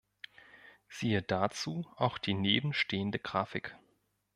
Siehe dazu auch die nebenstehende Grafik.